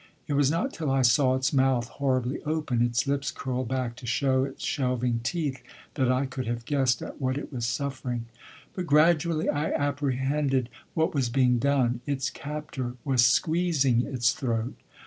It was not till I saw its mouth horribly open, its lips curled back to show its shelving teeth that I could have guessed at what it was suffering. But gradually I apprehended what was being done. Its captor was squeezing its throat.